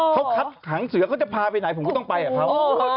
เขาคัดขังเสือเขาจะพาไปไหนผมก็ต้องไปกับเขา